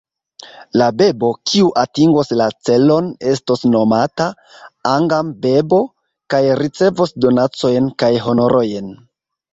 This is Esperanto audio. La bebo, kiu atingos la celon estos nomata "Angam-bebo" kaj ricevos donacojn kaj honorojn.